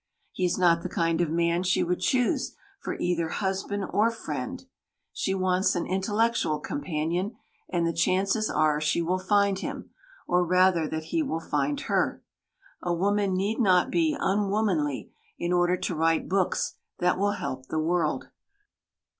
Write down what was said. He is not the kind of a man she would choose for either husband or friend; she wants an intellectual companion, and the chances are that she will find him, or rather that he will find her. A woman need not be unwomanly in order to write books that will help the world.